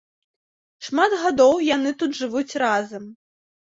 Шмат гадоў яны тут жывуць разам.